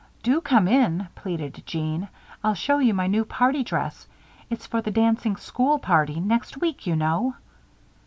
"Do come in," pleaded Jeanne. "I'll show you my new party dress. It's for the dancing school party; next week, you know."